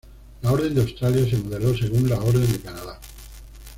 La Orden de Australia se modeló según la Orden de Canadá.